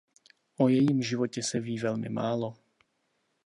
O jejím životě se ví velmi málo.